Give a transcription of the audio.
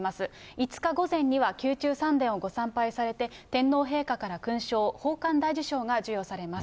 ５日午前には宮中三殿をご参拝されて、天皇陛下から勲章、宝冠大綬章が授与されます。